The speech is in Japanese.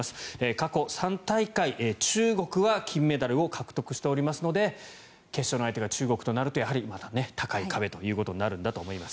過去３大会、中国は金メダルを獲得しておりますので決勝の相手が中国となると高い壁ということになるんだと思います。